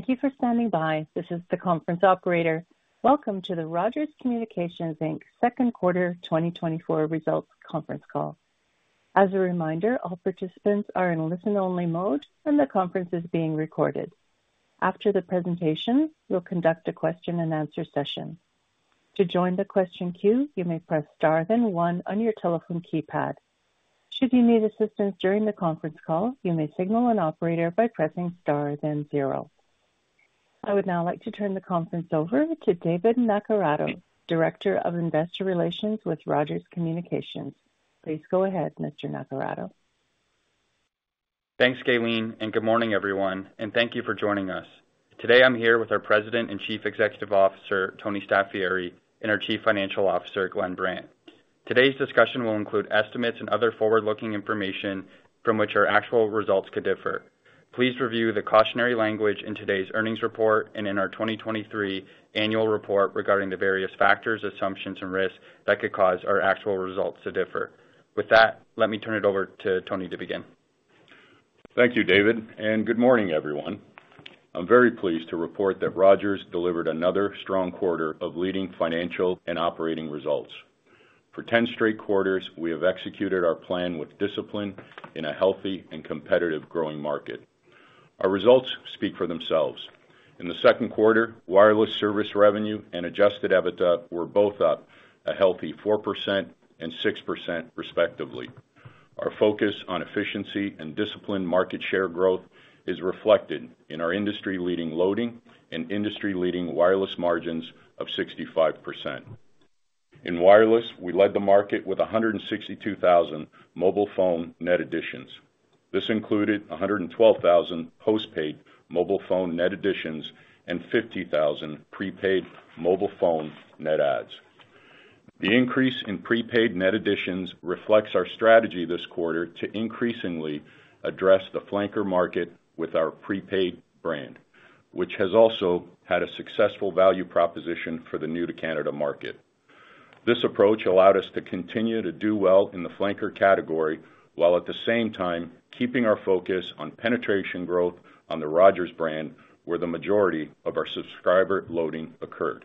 Thank you for standing by. This is the conference operator. Welcome to the Rogers Communications Inc. Q2 2024 Results Conference Call. As a reminder, all participants are in listen-only mode, and the conference is being recorded. After the presentation, we'll conduct a question-and-answer session. To join the question queue, you may press star then one on your telephone keypad. Should you need assistance during the conference call, you may signal an operator by pressing star then zero. I would now like to turn the conference over to David Naccarato, Director of Investor Relations with Rogers Communications. Please go ahead, Mr. Naccarato. Thanks, Kayleen, and good morning, everyone. Thank you for joining us. Today, I'm here with our President and Chief Executive Officer, Tony Staffieri, and our Chief Financial Officer, Glenn Brandt. Today's discussion will include estimates and other forward-looking information from which our actual results could differ. Please review the cautionary language in today's earnings report and in our 2023 annual report regarding the various factors, assumptions, and risks that could cause our actual results to differ. With that, let me turn it over to Tony to begin. Thank you, David, and good morning, everyone. I'm very pleased to report that Rogers delivered another strong quarter of leading financial and operating results. For 10 straight quarters, we have executed our plan with discipline in a healthy and competitive growing market. Our results speak for themselves. In the Q2, wireless service revenue and adjusted EBITDA were both up a healthy 4% and 6%, respectively. Our focus on efficiency and disciplined market share growth is reflected in our industry-leading loading and industry-leading wireless margins of 65%. In wireless, we led the market with 162,000 mobile phone net additions. This included 112,000 postpaid mobile phone net additions and 50,000 prepaid mobile phone net adds. The increase in prepaid net additions reflects our strategy this quarter to increasingly address the flanker market with our prepaid brand, which has also had a successful value proposition for the new to Canada market. This approach allowed us to continue to do well in the flanker category while at the same time keeping our focus on penetration growth on the Rogers brand, where the majority of our subscriber loading occurred.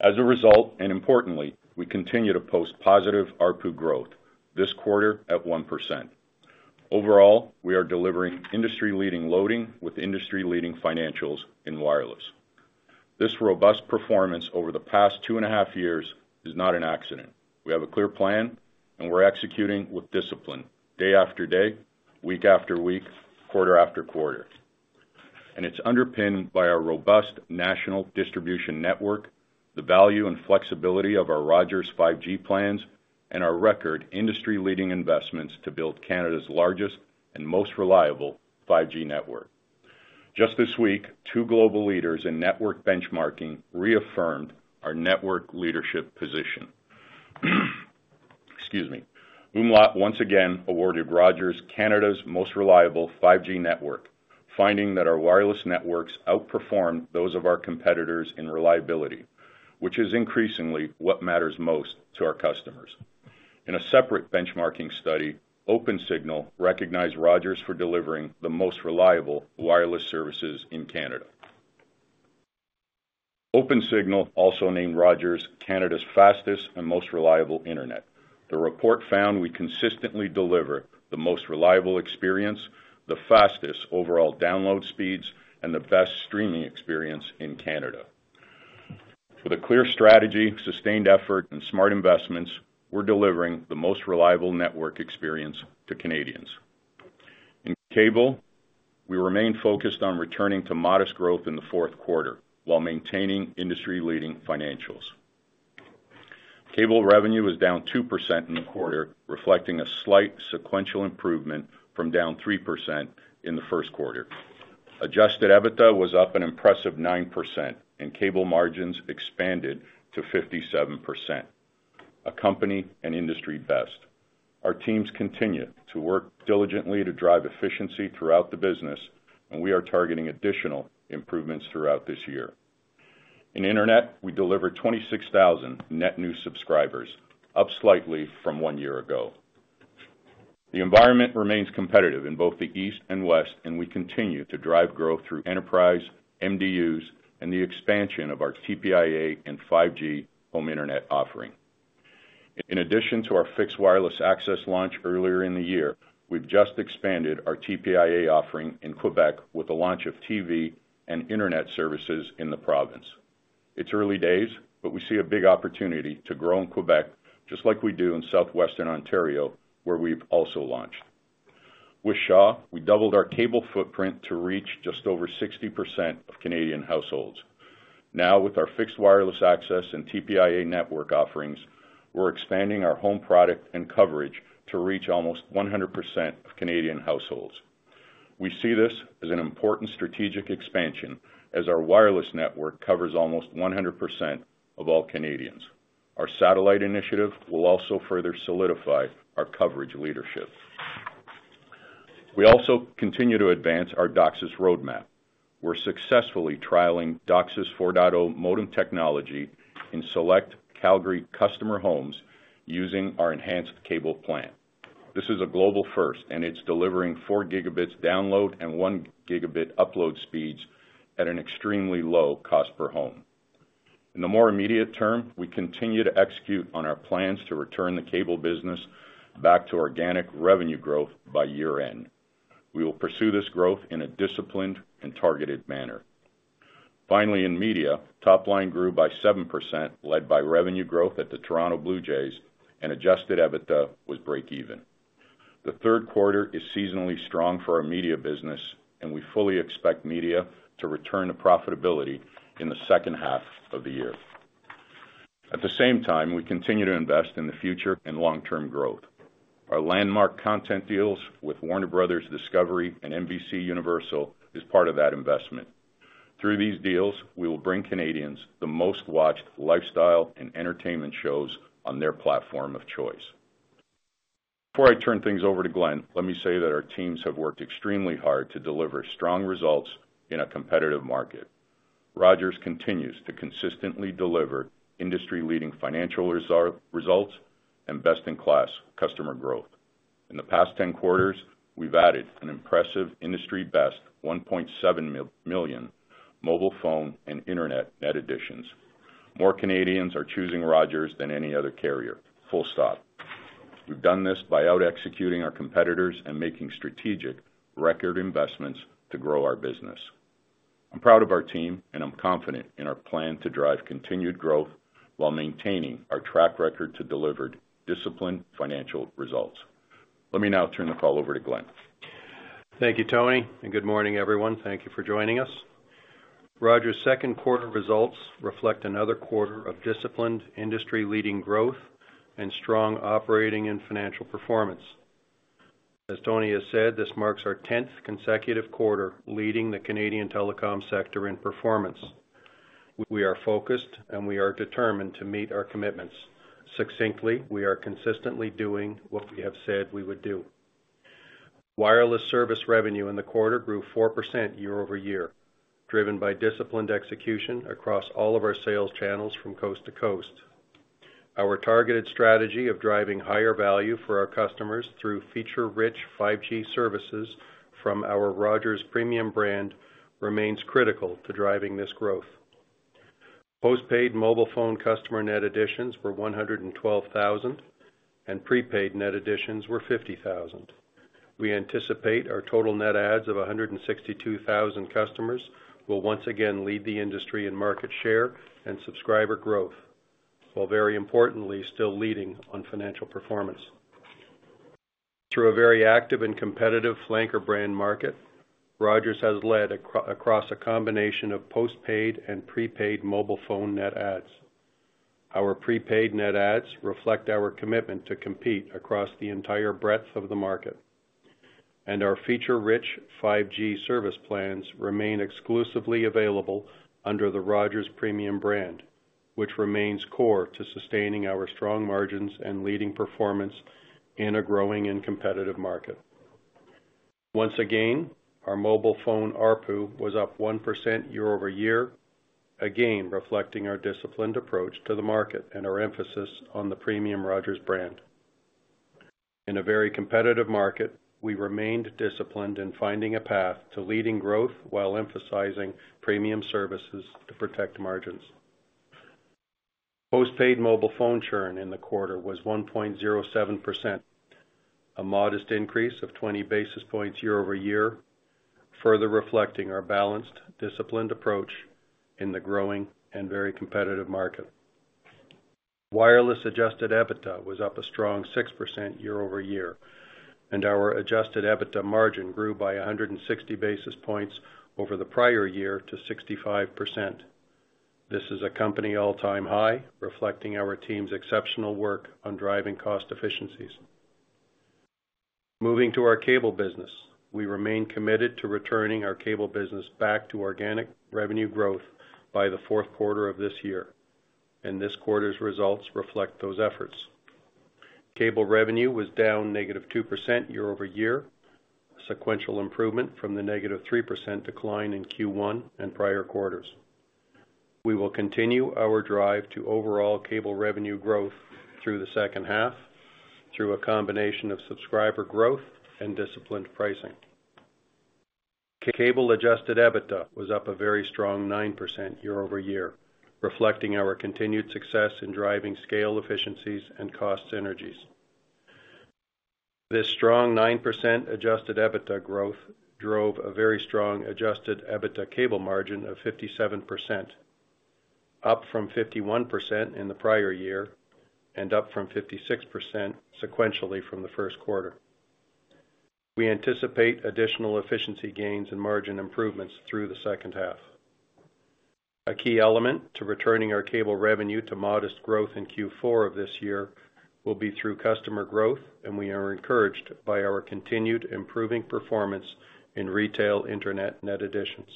As a result, and importantly, we continue to post positive ARPU growth this quarter at 1%. Overall, we are delivering industry-leading loading with industry-leading financials in wireless. This robust performance over the past 2.5 years is not an accident. We have a clear plan, and we're executing with discipline day after day, week after week, quarter after quarter. And it's underpinned by our robust national distribution network, the value and flexibility of our Rogers 5G plans, and our record industry-leading investments to build Canada's largest and most reliable 5G network. Just this week, two global leaders in network benchmarking reaffirmed our network leadership position. Excuse me. Umlaut once again awarded Rogers Canada's most reliable 5G network, finding that our wireless networks outperformed those of our competitors in reliability, which is increasingly what matters most to our customers. In a separate benchmarking study, Opensignal recognized Rogers for delivering the most reliable wireless services in Canada. Opensignal also named Rogers Canada's fastest and most reliable internet. The report found we consistently deliver the most reliable experience, the fastest overall download speeds, and the best streaming experience in Canada. With a clear strategy, sustained effort, and smart investments, we're delivering the most reliable network experience to Canadians. In cable, we remain focused on returning to modest growth in the Q4 while maintaining industry-leading financials. Cable revenue was down 2% in the quarter, reflecting a slight sequential improvement from down 3% in the Q1. Adjusted EBITDA was up an impressive 9%, and cable margins expanded to 57%, a company and industry best. Our teams continue to work diligently to drive efficiency throughout the business, and we are targeting additional improvements throughout this year. In internet, we deliver 26,000 net new subscribers, up slightly from one year ago. The environment remains competitive in both the East and West, and we continue to drive growth through enterprise, MDUs, and the expansion of our TPIA and 5G home internet offering. In addition to our fixed wireless access launch earlier in the year, we've just expanded our TPIA offering in Quebec with the launch of TV and internet services in the province. It's early days, but we see a big opportunity to grow in Quebec just like we do in southwestern Ontario, where we've also launched. With Shaw, we doubled our cable footprint to reach just over 60% of Canadian households. Now, with our fixed wireless access and TPIA network offerings, we're expanding our home product and coverage to reach almost 100% of Canadian households. We see this as an important strategic expansion as our wireless network covers almost 100% of all Canadians. Our satellite initiative will also further solidify our coverage leadership. We also continue to advance our DOCSIS roadmap. We're successfully trialing DOCSIS 4.0 modem technology in select Calgary customer homes using our enhanced cable plan. This is a global first, and it's delivering 4 Gbps download and 1 Gbps upload speeds at an extremely low cost per home. In the more immediate term, we continue to execute on our plans to return the cable business back to organic revenue growth by year-end. We will pursue this growth in a disciplined and targeted manner. Finally, in media, top line grew by 7%, led by revenue growth at the Toronto Blue Jays, and Adjusted EBITDA was break-even. The Q3 is seasonally strong for our media business, and we fully expect media to return to profitability in the second half of the year. At the same time, we continue to invest in the future and long-term growth. Our landmark content deals with Warner Bros. Discovery and NBCUniversal are part of that investment. Through these deals, we will bring Canadians the most-watched lifestyle and entertainment shows on their platform of choice. Before I turn things over to Glenn, let me say that our teams have worked extremely hard to deliver strong results in a competitive market. Rogers continues to consistently deliver industry-leading financial results and best-in-class customer growth. In the past 10 quarters, we've added an impressive industry-best 1.7 million mobile phone and internet net additions. More Canadians are choosing Rogers than any other carrier. Full stop. We've done this by out-executing our competitors and making strategic record investments to grow our business. I'm proud of our team, and I'm confident in our plan to drive continued growth while maintaining our track record to deliver disciplined financial results. Let me now turn the call over to Glenn. Thank you, Tony, and good morning, everyone. Thank you for joining us. Rogers' Q2 results reflect another quarter of disciplined industry-leading growth and strong operating and financial performance. As Tony has said, this marks our 10th consecutive quarter leading the Canadian telecom sector in performance. We are focused, and we are determined to meet our commitments. Succinctly, we are consistently doing what we have said we would do. Wireless service revenue in the quarter grew 4% year-over-year, driven by disciplined execution across all of our sales channels from coast to coast. Our targeted strategy of driving higher value for our customers through feature-rich 5G services from our Rogers Premium brand remains critical to driving this growth. Postpaid mobile phone customer net additions were 112,000, and prepaid net additions were 50,000. We anticipate our total net adds of 162,000 customers will once again lead the industry in market share and subscriber growth, while very importantly still leading on financial performance. Through a very active and competitive flanker brand market, Rogers has led across a combination of postpaid and prepaid mobile phone net adds. Our prepaid net adds reflect our commitment to compete across the entire breadth of the market, and our feature-rich 5G service plans remain exclusively available under the Rogers Premium brand, which remains core to sustaining our strong margins and leading performance in a growing and competitive market. Once again, our mobile phone ARPU was up 1% year-over-year, again reflecting our disciplined approach to the market and our emphasis on the premium Rogers brand. In a very competitive market, we remained disciplined in finding a path to leading growth while emphasizing premium services to protect margins. Postpaid mobile phone churn in the quarter was 1.07%, a modest increase of 20 basis points year-over-year, further reflecting our balanced, disciplined approach in the growing and very competitive market. Wireless adjusted EBITDA was up a strong 6% year-over-year, and our adjusted EBITDA margin grew by 160 basis points over the prior year to 65%. This is a company all-time high, reflecting our team's exceptional work on driving cost efficiencies. Moving to our cable business, we remain committed to returning our cable business back to organic revenue growth by the Q4 of this year, and this quarter's results reflect those efforts. Cable revenue was down -2% year-over-year, a sequential improvement from the -3% decline in Q1 and prior quarters. We will continue our drive to overall cable revenue growth through the second half through a combination of subscriber growth and disciplined pricing. Cable adjusted EBITDA was up a very strong 9% year-over-year, reflecting our continued success in driving scale efficiencies and cost synergies. This strong 9% adjusted EBITDA growth drove a very strong adjusted EBITDA cable margin of 57%, up from 51% in the prior year and up from 56% sequentially from the Q1. We anticipate additional efficiency gains and margin improvements through the second half. A key element to returning our cable revenue to modest growth in Q4 of this year will be through customer growth, and we are encouraged by our continued improving performance in retail internet net additions.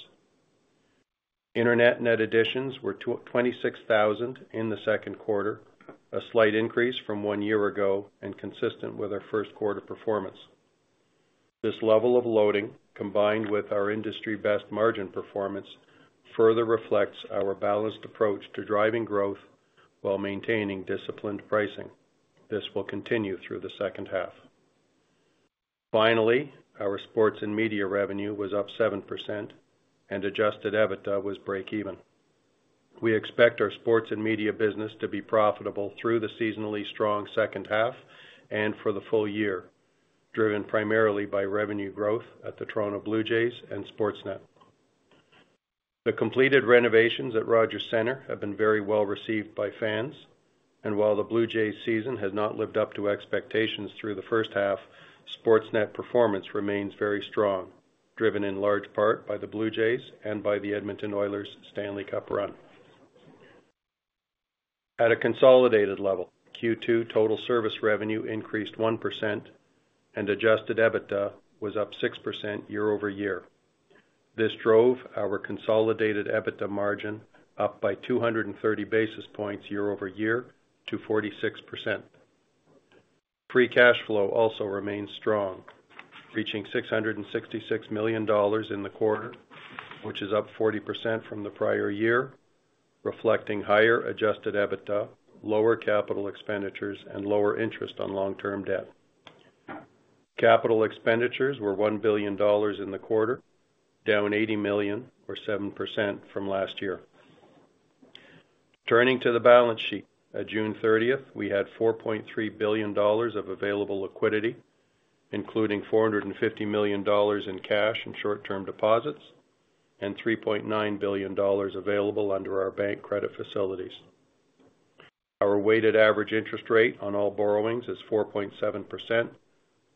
Internet net additions were 26,000 in the Q2, a slight increase from one year ago and consistent with our Q1 performance. This level of loading, combined with our industry-best margin performance, further reflects our balanced approach to driving growth while maintaining disciplined pricing. This will continue through the second half. Finally, our sports and media revenue was up 7%, and adjusted EBITDA was break-even. We expect our sports and media business to be profitable through the seasonally strong second half and for the full year, driven primarily by revenue growth at the Toronto Blue Jays and Sportsnet. The completed renovations at Rogers Centre have been very well received by fans, and while the Blue Jays season has not lived up to expectations through the first half, Sportsnet performance remains very strong, driven in large part by the Blue Jays and by the Edmonton Oilers Stanley Cup run. At a consolidated level, Q2 total service revenue increased 1%, and adjusted EBITDA was up 6% year-over-year. This drove our consolidated EBITDA margin up by 230 basis points year-over-year to 46%. Free cash flow also remains strong, reaching 666 million dollars in the quarter, which is up 40% from the prior year, reflecting higher Adjusted EBITDA, lower capital expenditures, and lower interest on long-term debt. Capital expenditures were 1 billion dollars in the quarter, down 80 million, or 7% from last year. Turning to the balance sheet, on June 30th, we had 4.3 billion dollars of available liquidity, including 450 million dollars in cash and short-term deposits and 3.9 billion dollars available under our bank credit facilities. Our weighted average interest rate on all borrowings is 4.7%,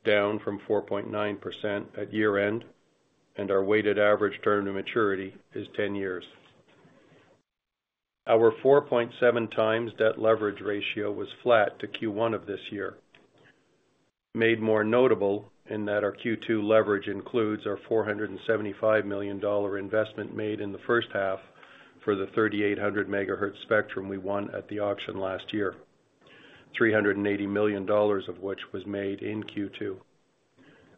down from 4.9% at year-end, and our weighted average term to maturity is 10 years. Our 4.7x debt leverage ratio was flat to Q1 of this year, made more notable in that our Q2 leverage includes our 475 million dollar investment made in the first half for the 3,800 megahertz spectrum we won at the auction last year, 380 million dollars of which was made in Q2.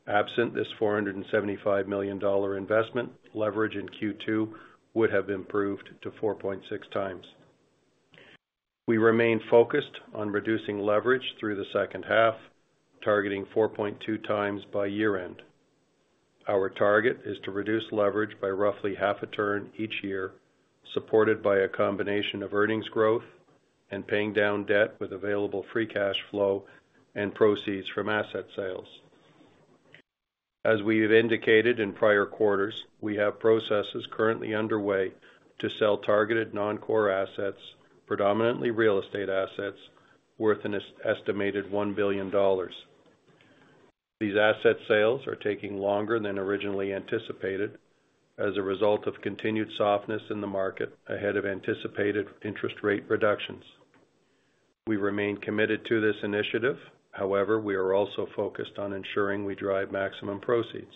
Absent this 475 million dollar investment, leverage in Q2 would have improved to 4.6x. We remain focused on reducing leverage through the second half, targeting 4.2x by year-end. Our target is to reduce leverage by roughly half a turn each year, supported by a combination of earnings growth and paying down debt with available free cash flow and proceeds from asset sales. As we have indicated in prior quarters, we have processes currently underway to sell targeted non-core assets, predominantly real estate assets, worth an estimated 1 billion dollars. These asset sales are taking longer than originally anticipated as a result of continued softness in the market ahead of anticipated interest rate reductions. We remain committed to this initiative. However, we are also focused on ensuring we drive maximum proceeds.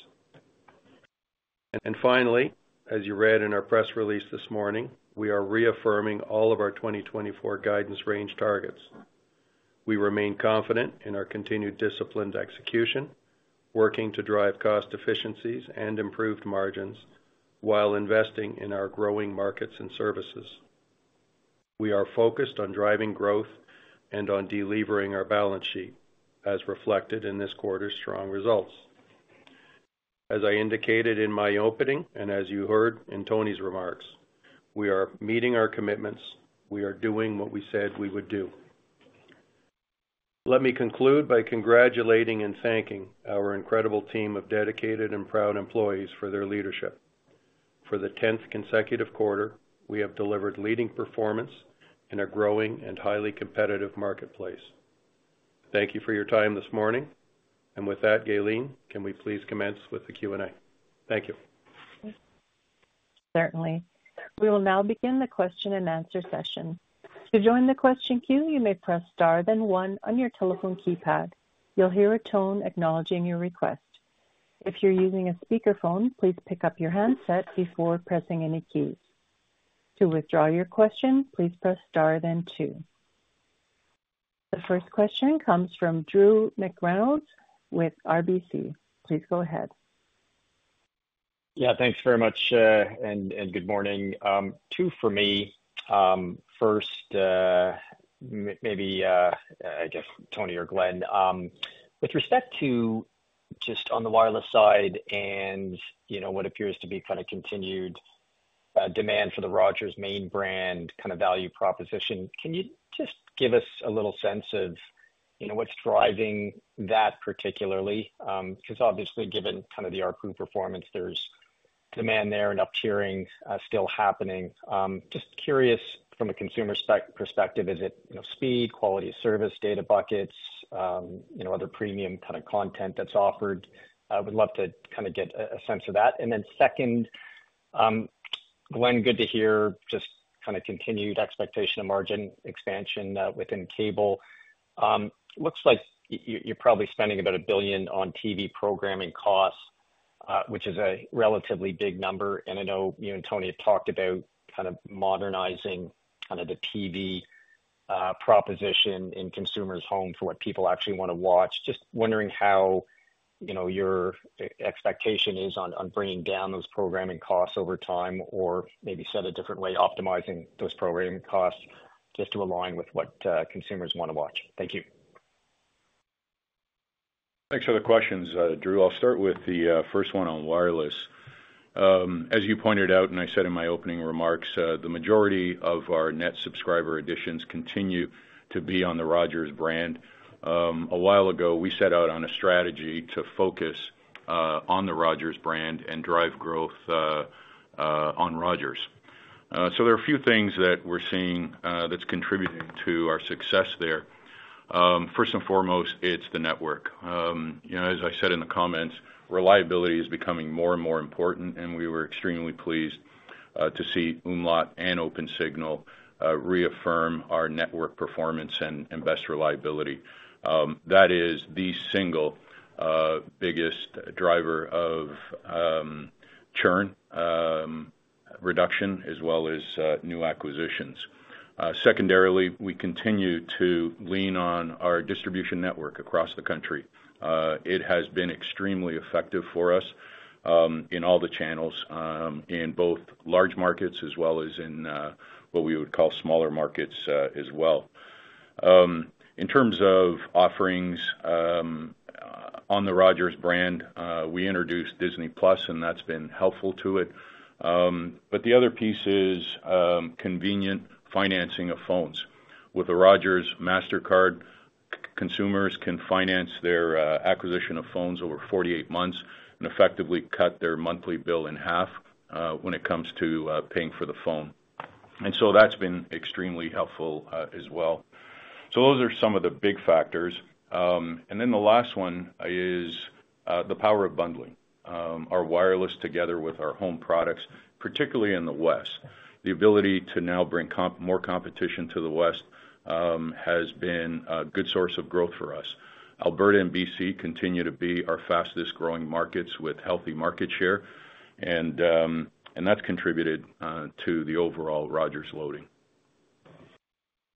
And finally, as you read in our press release this morning, we are reaffirming all of our 2024 guidance range targets. We remain confident in our continued disciplined execution, working to drive cost efficiencies and improved margins while investing in our growing markets and services. We are focused on driving growth and on delivering our balance sheet, as reflected in this quarter's strong results. As I indicated in my opening and as you heard in Tony's remarks, we are meeting our commitments. We are doing what we said we would do. Let me conclude by congratulating and thanking our incredible team of dedicated and proud employees for their leadership. For the 10th consecutive quarter, we have delivered leading performance in a growing and highly competitive marketplace. Thank you for your time this morning, and with that, Gayleen, can we please commence with the Q&A? Thank you. Certainly. We will now begin the question and answer session. To join the question queue, you may press star then one on your telephone keypad. You'll hear a tone acknowledging your request. If you're using a speakerphone, please pick up your handset before pressing any keys. To withdraw your question, please press star then two. The first question comes from Drew McReynolds with RBC. Please go ahead. Yeah, thanks very much, and good morning. Two for me. First, maybe, I guess, Tony or Glenn, with respect to just on the wireless side and what appears to be kind of continued demand for the Rogers main brand kind of value proposition, can you just give us a little sense of what's driving that particularly? Because obviously, given kind of the ARPU performance, there's demand there and up-tiering still happening. Just curious, from a consumer perspective, is it speed, quality of service, data buckets, other premium kind of content that's offered? I would love to kind of get a sense of that. And then second, Glenn, good to hear just kind of continued expectation of margin expansion within cable. Looks like you're probably spending about 1 billion on TV programming costs, which is a relatively big number. I know you and Tony have talked about kind of modernizing kind of the TV proposition in consumers' home for what people actually want to watch. Just wondering how your expectation is on bringing down those programming costs over time or maybe said a different way, optimizing those programming costs just to align with what consumers want to watch? Thank you. Thanks for the questions, Drew. I'll start with the first one on wireless. As you pointed out, and I said in my opening remarks, the majority of our net subscriber additions continue to be on the Rogers brand. A while ago, we set out on a strategy to focus on the Rogers brand and drive growth on Rogers. So there are a few things that we're seeing that's contributing to our success there. First and foremost, it's the network. As I said in the comments, reliability is becoming more and more important, and we were extremely pleased to see umlaut and Opensignal reaffirm our network performance and best reliability. That is the single biggest driver of churn reduction, as well as new acquisitions. Secondarily, we continue to lean on our distribution network across the country. It has been extremely effective for us in all the channels, in both large markets as well as in what we would call smaller markets as well. In terms of offerings on the Rogers brand, we introduced Disney+, and that's been helpful to it. But the other piece is convenient financing of phones. With the Rogers Mastercard, consumers can finance their acquisition of phones over 48 months and effectively cut their monthly bill in half when it comes to paying for the phone. And so that's been extremely helpful as well. So those are some of the big factors. And then the last one is the power of bundling. Our wireless, together with our home products, particularly in the West, the ability to now bring more competition to the West has been a good source of growth for us. Alberta and BC continue to be our fastest growing markets with healthy market share, and that's contributed to the overall Rogers loading.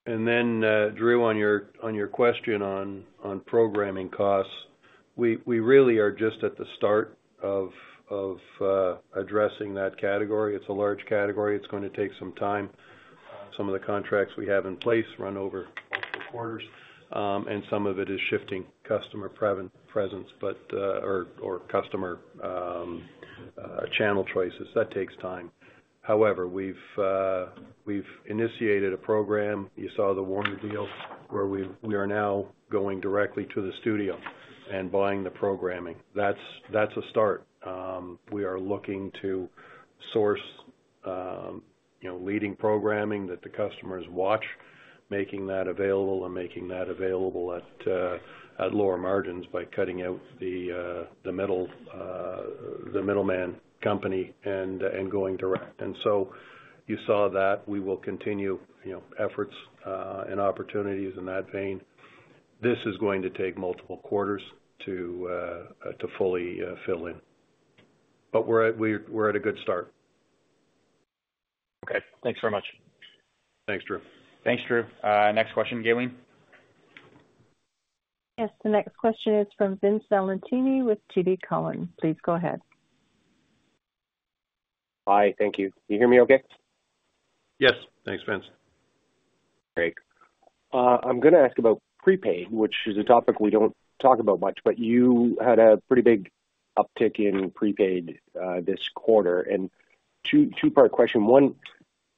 And then, Drew, on your question on programming costs, we really are just at the start of addressing that category. It's a large category. It's going to take some time. Some of the contracts we have in place run over multiple quarters, and some of it is shifting customer presence or customer channel choices. That takes time. However, we've initiated a program. You saw the Warner deal where we are now going directly to the studio and buying the programming. That's a start. We are looking to source leading programming that the customers watch, making that available and making that available at lower margins by cutting out the middleman company and going direct. And so you saw that. We will continue efforts and opportunities in that vein. This is going to take multiple quarters to fully fill in. But we're at a good start. Okay. Thanks very much. Thanks, Drew. Thanks, Drew. Next question, Gayleen. Yes. The next question is from Vince Valentini with TD Cowen. Please go ahead. Hi. Thank you. Can you hear me okay? Yes. Thanks, Vince. Great. I'm going to ask about prepaid, which is a topic we don't talk about much, but you had a pretty big uptick in prepaid this quarter. Two-part question. One,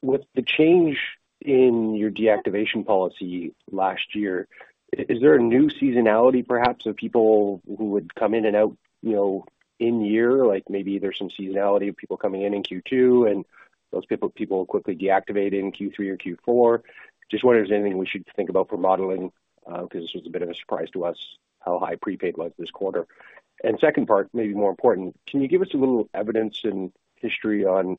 with the change in your deactivation policy last year, is there a new seasonality, perhaps, of people who would come in and out in year? Maybe there's some seasonality of people coming in in Q2, and those people quickly deactivate in Q3 or Q4. Just wondering if there's anything we should think about for modeling, because this was a bit of a surprise to us, how high prepaid was this quarter. Second part, maybe more important, can you give us a little evidence and history on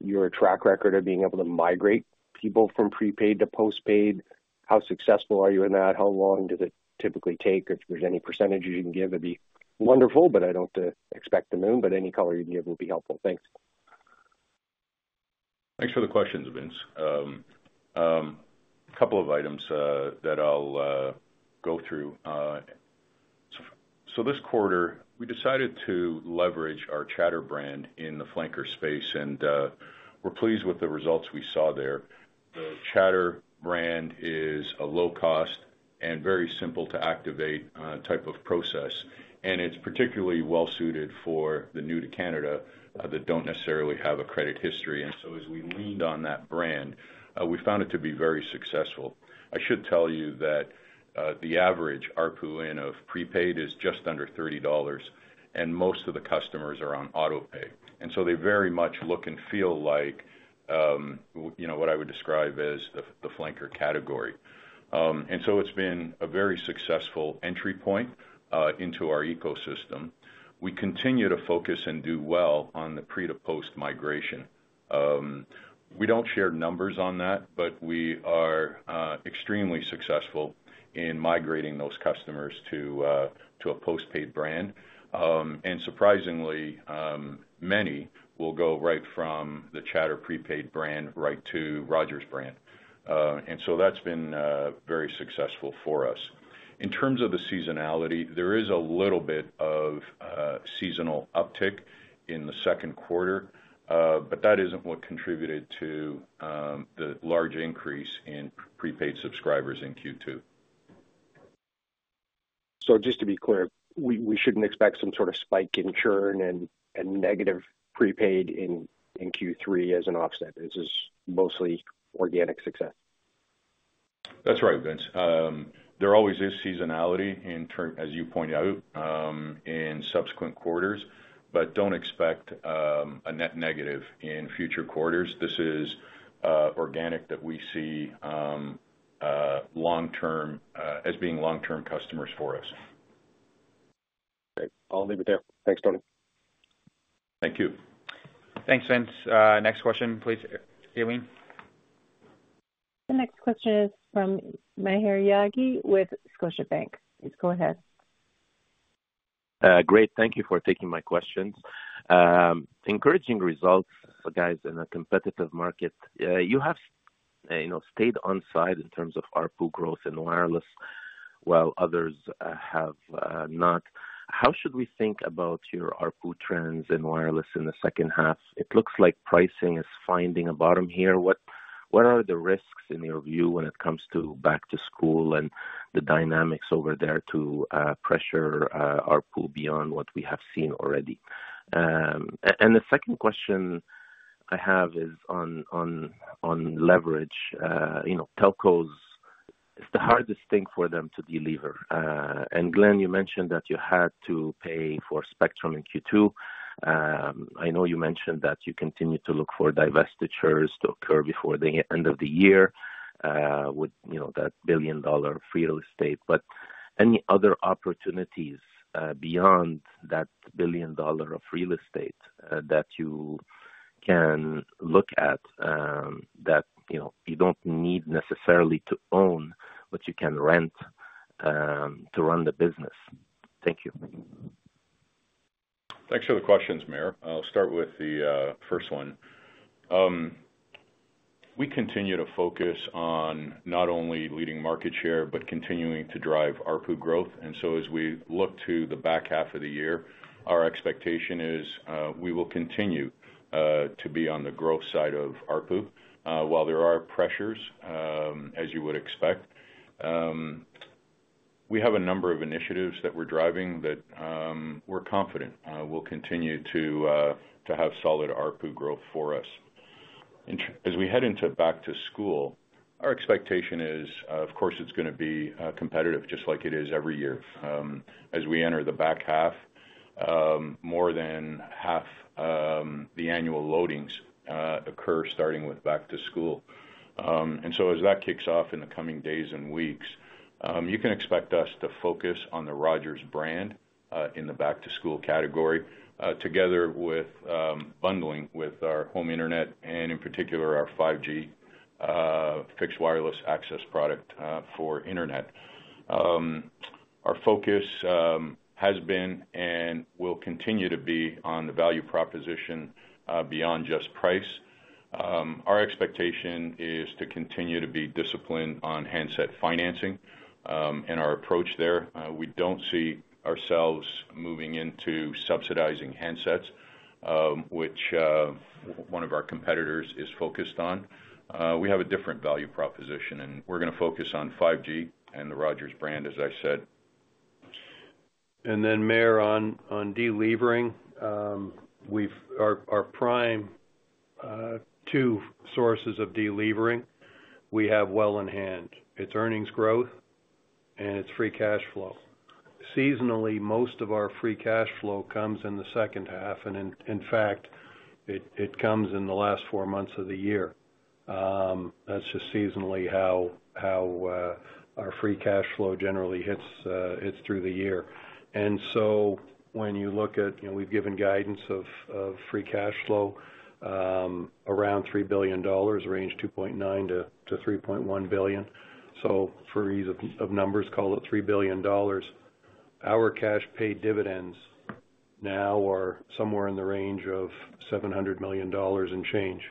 your track record of being able to migrate people from prepaid to postpaid? How successful are you in that? How long does it typically take? If there's any percentages you can give, that'd be wonderful, but I don't expect the moon, but any color you give will be helpful. Thanks. Thanks for the questions, Vince. A couple of items that I'll go through. So this quarter, we decided to leverage our chatr brand in the flanker space, and we're pleased with the results we saw there. The chatr brand is a low-cost and very simple-to-activate type of process, and it's particularly well-suited for the new to Canada that don't necessarily have a credit history. And so as we leaned on that brand, we found it to be very successful. I should tell you that the average ARPU of prepaid is just under 30 dollars, and most of the customers are on autopay. And so they very much look and feel like what I would describe as the flanker category. And so it's been a very successful entry point into our ecosystem. We continue to focus and do well on the pre-to-post migration.fWe don't share numbers on that, but we are extremely successful in migrating those customers to a postpaid brand. And surprisingly, many will go right from the chatr prepaid brand right to Rogers brand. And so that's been very successful for us. In terms of the seasonality, there is a little bit of seasonal uptick in the Q2, but that isn't what contributed to the large increase in prepaid subscribers in Q2. Just to be clear, we shouldn't expect some sort of spike in churn and negative prepaid in Q3 as an offset? This is mostly organic success. That's right, Vince. There always is seasonality, as you point out, in subsequent quarters, but don't expect a net negative in future quarters. This is organic that we see as being long-term customers for us. Okay. I'll leave it there. Thanks, Tony. Thank you. Thanks, Vince. Next question, please, Gayleen. The next question is from Maher Yaghi with Scotiabank. Please go ahead. Great. Thank you for taking my questions. Encouraging results, guys, in a competitive market. You have stayed onside in terms of ARPU growth in wireless while others have not. How should we think about your ARPU trends in wireless in the second half? It looks like pricing is finding a bottom here. What are the risks in your view when it comes to back-to-school and the dynamics over there to pressure ARPU beyond what we have seen already? And the second question I have is on leverage. Telcos is the hardest thing for them to deliver. And Glenn, you mentioned that you had to pay for spectrum in Q2. I know you mentioned that you continue to look for divestitures to occur before the end of the year with that billion-dollar real estate. But any other opportunities beyond that billion-dollar of real estate that you can look at that you don't need necessarily to own, but you can rent to run the business? Thank you. Thanks for the questions, Maher. I'll start with the first one. We continue to focus on not only leading market share, but continuing to drive ARPU growth. And so as we look to the back half of the year, our expectation is we will continue to be on the growth side of ARPU while there are pressures, as you would expect. We have a number of initiatives that we're driving that we're confident will continue to have solid ARPU growth for us. As we head into back-to-school, our expectation is, of course, it's going to be competitive just like it is every year. As we enter the back half, more than half the annual loadings occur starting with back-to-school. And so as that kicks off in the coming days and weeks, you can expect us to focus on the Rogers brand in the back-to-school category together with bundling with our home internet and, in particular, our 5G fixed wireless access product for internet. Our focus has been and will continue to be on the value proposition beyond just price. Our expectation is to continue to be disciplined on handset financing and our approach there. We don't see ourselves moving into subsidizing handsets, which one of our competitors is focused on. We have a different value proposition, and we're going to focus on 5G and the Rogers brand, as I said. Maher, on delivering, our prime two sources of delivering we have well in hand. It's earnings growth and it's free cash flow. Seasonally, most of our free cash flow comes in the second half, and in fact, it comes in the last four months of the year. That's just seasonally how our free cash flow generally hits through the year. So when you look at, we've given guidance of free cash flow around 3 billion dollars, range 2.9 billion-3.1 billion. For ease of numbers, call it 3 billion dollars. Our cash paid dividends now are somewhere in the range of 700 million dollars and change.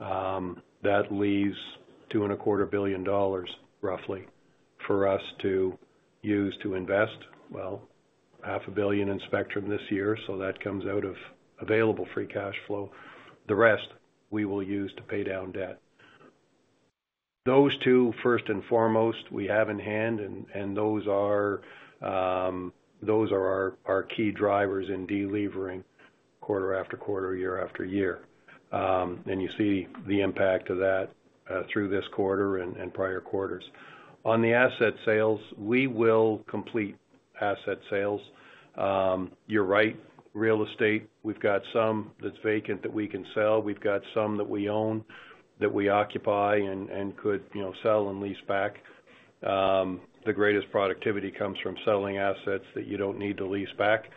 That leaves 2.25 billion dollars, roughly, for us to use to invest. Well, 500 million in spectrum this year, so that comes out of available free cash flow. The rest we will use to pay down debt. Those two, first and foremost, we have in hand, and those are our key drivers in delivering quarter after quarter, year after year. You see the impact of that through this quarter and prior quarters. On the asset sales, we will complete asset sales. You're right. Real estate, we've got some that's vacant that we can sell. We've got some that we own, that we occupy, and could sell and lease back. The greatest productivity comes from selling assets that you don't need to lease back.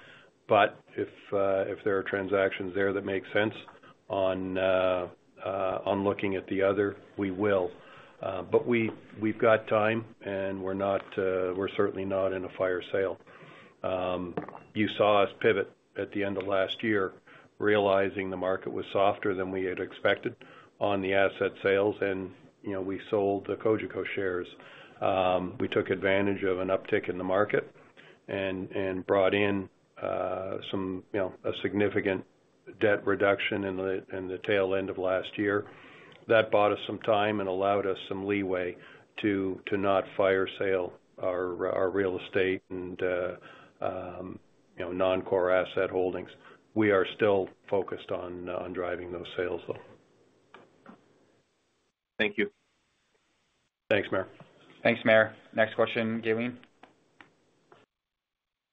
But if there are transactions there that make sense on looking at the other, we will. But we've got time, and we're certainly not in a fire sale. You saw us pivot at the end of last year, realizing the market was softer than we had expected on the asset sales, and we sold the Cogeco shares. We took advantage of an uptick in the market and brought in a significant debt reduction in the tail end of last year. That bought us some time and allowed us some leeway to not fire sale our real estate and non-core asset holdings. We are still focused on driving those sales, though. Thank you. Thanks, Maher. Thanks, Maher. Next question, Gayleen.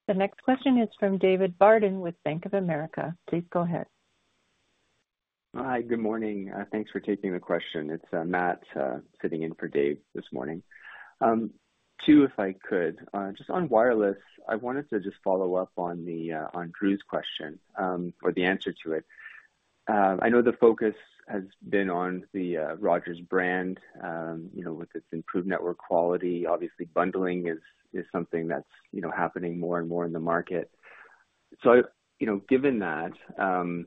The next question is from David Barden with Bank of America. Please go ahead. Hi. Good morning. Thanks for taking the question. It's Matt sitting in for Dave this morning. Two, if I could, just on wireless, I wanted to just follow up on Drew's question or the answer to it. I know the focus has been on the Rogers brand with its improved network quality. Obviously, bundling is something that's happening more and more in the market. So given that, and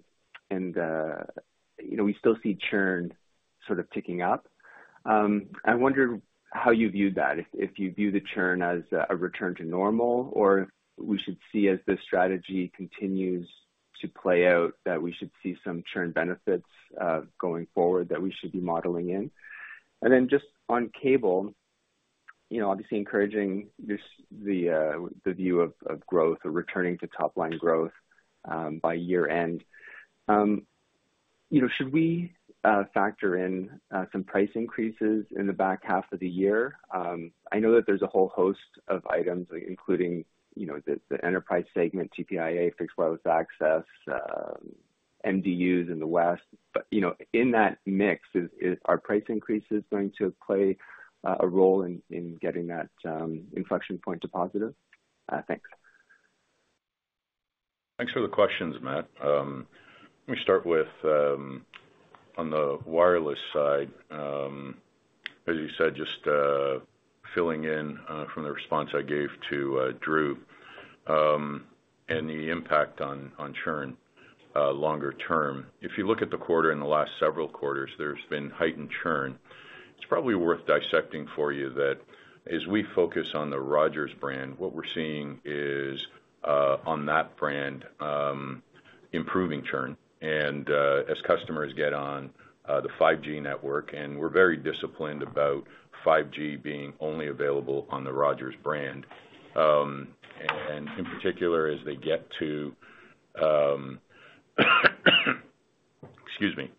we still see churn sort of ticking up, I wonder how you view that. If you view the churn as a return to normal or we should see as the strategy continues to play out that we should see some churn benefits going forward that we should be modeling in? And then just on cable, obviously encouraging the view of growth or returning to top-line growth by year-end. Should we factor in some price increases in the back half of the year? I know that there's a whole host of items, including the enterprise segment, TPIA, fixed wireless access, MDUs in the west. But in that mix, are price increases going to play a role in getting that inflection point to positive? Thanks. Thanks for the questions, Matt. Let me start with on the wireless side, as you said, just filling in from the response I gave to Drew and the impact on churn longer term. If you look at the quarter and the last several quarters, there's been heightened churn. It's probably worth dissecting for you that as we focus on the Rogers brand, what we're seeing is on that brand, improving churn. As customers get on the 5G network, and we're very disciplined about 5G being only available on the Rogers brand. In particular, as they get to excuse me,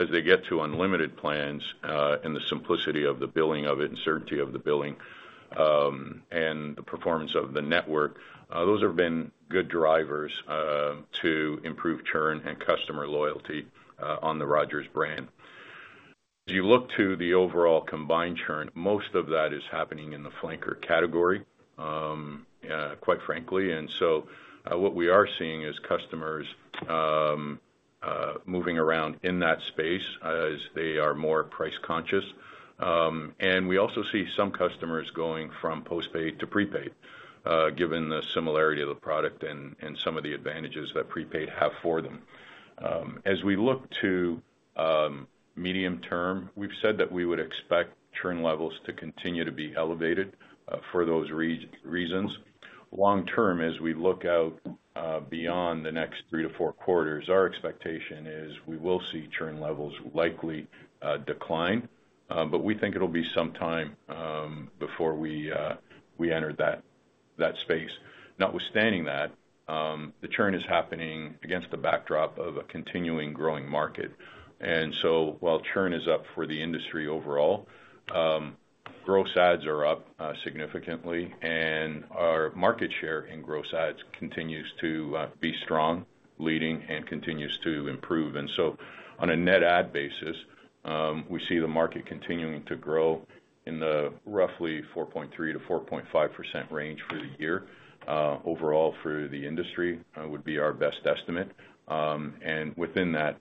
as they get to unlimited plans and the simplicity of the billing of it and certainty of the billing and the performance of the network, those have been good drivers to improve churn and customer loyalty on the Rogers brand. As you look to the overall combined churn, most of that is happening in the flanker category, quite frankly. So what we are seeing is customers moving around in that space as they are more price conscious. We also see some customers going from postpaid to prepaid, given the similarity of the product and some of the advantages that prepaid have for them. As we look to medium term, we've said that we would expect churn levels to continue to be elevated for those reasons. Long term, as we look out beyond the next three to four quarters, our expectation is we will see churn levels likely decline, but we think it'll be some time before we enter that space. Notwithstanding that, the churn is happening against the backdrop of a continuing growing market.fWhile churn is up for the industry overall, gross ads are up significantly, and our market share in gross ads continues to be strong, leading, and continues to improve. On a net ad basis, we see the market continuing to grow in the roughly 4.3%-4.5% range for the year. Overall, for the industry, would be our best estimate. Within that,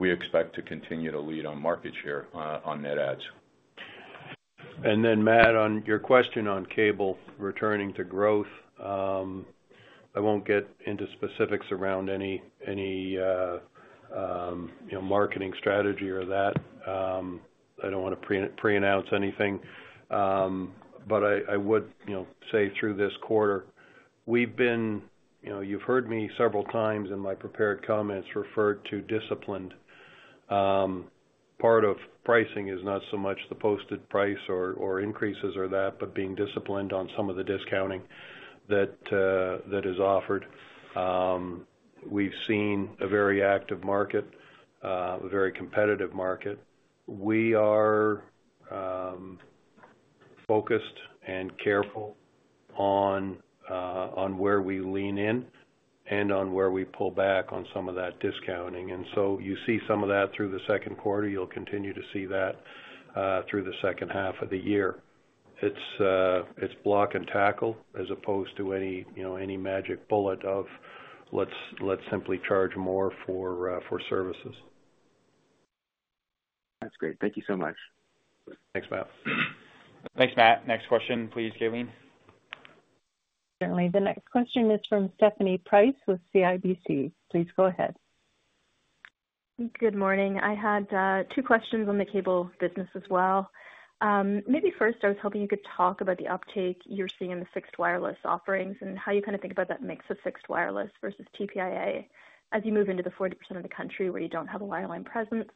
we expect to continue to lead on market share on net ads. And then, Matt, on your question on cable returning to growth, I won't get into specifics around any marketing strategy or that. I don't want to pre-announce anything, but I would say through this quarter, we've been. You've heard me several times in my prepared comments refer to disciplined. Part of pricing is not so much the posted price or increases or that, but being disciplined on some of the discounting that is offered. We've seen a very active market, a very competitive market. We are focused and careful on where we lean in and on where we pull back on some of that discounting. And so you see some of that through the second quarter. You'll continue to see that through the second half of the year. It's block and tackle as opposed to any magic bullet of, "Let's simply charge more for services. That's great. Thank you so much. Thanks, Matt. Thanks, Matt. Next question, please, Gayleen. Certainly. The next question is from Stephanie Price with CIBC. Please go ahead. Good morning. I had two questions on the cable business as well. Maybe first, I was hoping you could talk about the uptake you're seeing in the fixed wireless offerings and how you kind of think about that mix of fixed wireless versus TPIA as you move into the 40% of the country where you don't have a wireline presence.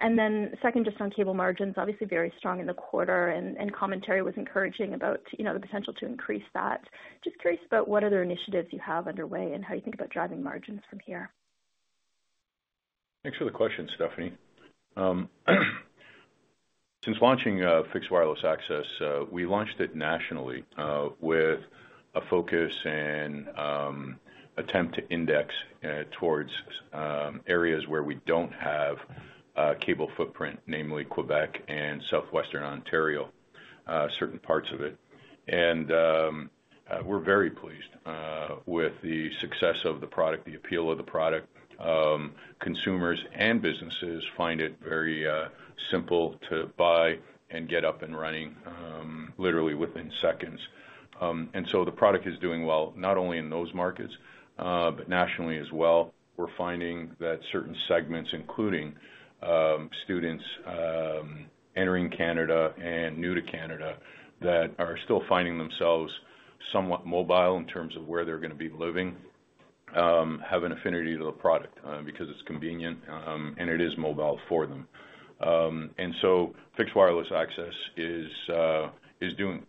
And then second, just on cable margins, obviously very strong in the quarter, and commentary was encouraging about the potential to increase that. Just curious about what other initiatives you have underway and how you think about driving margins from here. Thanks for the question, Stephanie. Since launching fixed wireless access, we launched it nationally with a focus and attempt to index towards areas where we don't have cable footprint, namely Quebec and Southwestern Ontario, certain parts of it. And we're very pleased with the success of the product, the appeal of the product. Consumers and businesses find it very simple to buy and get up and running, literally within seconds. And so the product is doing well not only in those markets, but nationally as well. We're finding that certain segments, including students entering Canada and new to Canada, that are still finding themselves somewhat mobile in terms of where they're going to be living, have an affinity to the product because it's convenient and it is mobile for them. And so fixed wireless access is doing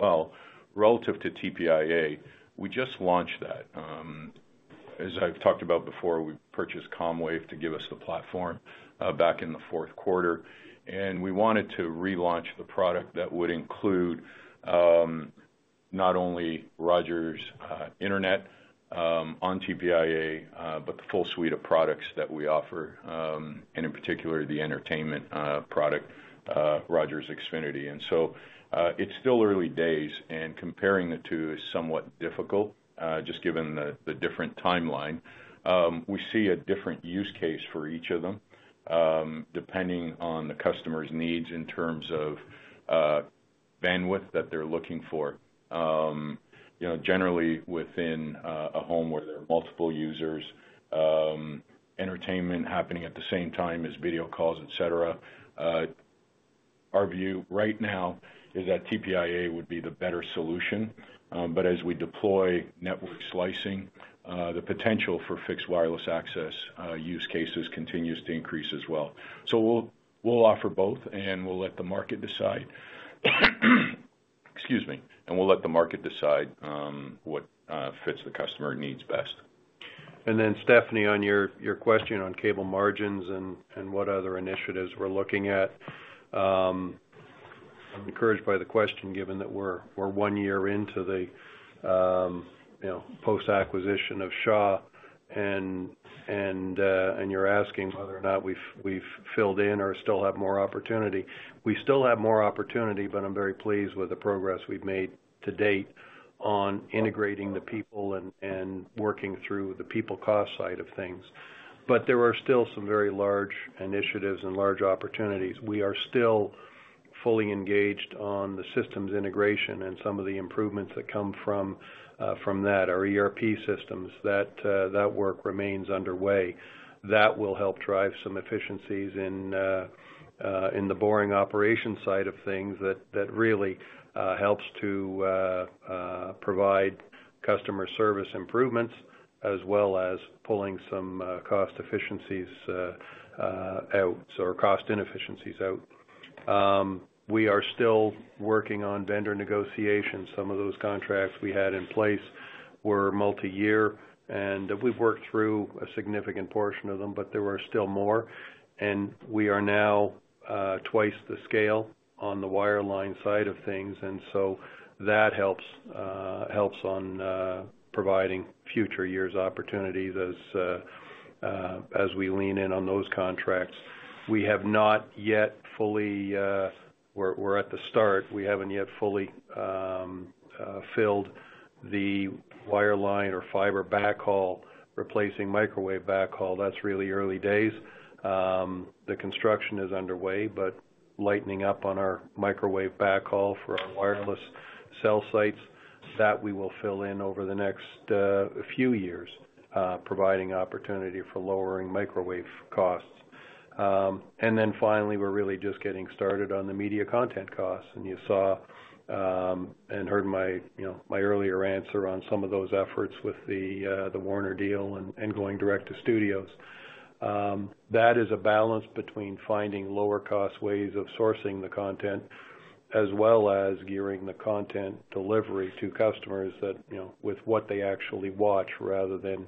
well relative to TPIA. We just launched that. As I've talked about before, we purchased comwave to give us the platform back in the fourth quarter. We wanted to relaunch the product that would include not only Rogers internet on TPIA, but the full suite of products that we offer, and in particular, the entertainment product, Rogers Xfinity. It's still early days, and comparing the two is somewhat difficult just given the different timeline. We see a different use case for each of them depending on the customer's needs in terms of bandwidth that they're looking for. Generally, within a home where there are multiple users, entertainment happening at the same time as video calls, et cetera. Our view right now is that TPIA would be the better solution. As we deploy network slicing, the potential for fixed wireless access use cases continues to increase as well. We'll offer both, and we'll let the market decide. Excuse me. We'll let the market decide what fits the customer needs best. Then, Stephanie, on your question on cable margins and what other initiatives we're looking at, I'm encouraged by the question given that we're one year into the post-acquisition of Shaw. You're asking whether or not we've filled in or still have more opportunity. We still have more opportunity, but I'm very pleased with the progress we've made to date on integrating the people and working through the people cost side of things. There are still some very large initiatives and large opportunities. We are still fully engaged on the systems integration and some of the improvements that come from that, our ERP systems. That work remains underway. That will help drive some efficiencies in the back-office operation side of things that really helps to provide customer service improvements as well as pulling some cost efficiencies out or cost inefficiencies out. We are still working on vendor negotiations. Some of those contracts we had in place were multi-year, and we've worked through a significant portion of them, but there were still more. We are now twice the scale on the wireline side of things. So that helps on providing future years' opportunities as we lean in on those contracts. We have not yet fully. We're at the start. We haven't yet fully filled the wireline or fiber backhaul, replacing microwave backhaul. That's really early days. The construction is underway, but lightening up on our microwave backhaul for our wireless cell sites, that we will fill in over the next few years, providing opportunity for lowering microwave costs. Then finally, we're really just getting started on the media content costs. You saw and heard my earlier answer on some of those efforts with the Warner deal and going direct to studios. That is a balance between finding lower-cost ways of sourcing the content as well as gearing the content delivery to customers with what they actually watch rather than